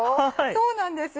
そうなんですよ